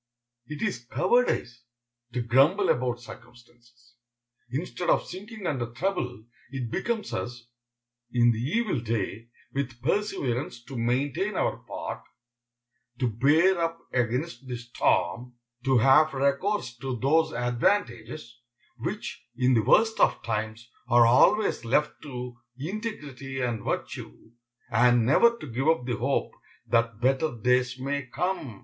It is cowardice to grumble about circumstances. Instead of sinking under trouble, it becomes us, in the evil day, with perseverance to maintain our part, to bear up against the storm, to have recourse to those advantages, which, in the worst of times, are always left to integrity and virtue, and never to give up the hope that better days may come.